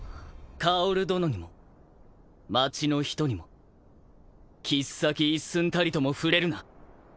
薫殿にも町の人にも切っ先一寸たりとも触れるな。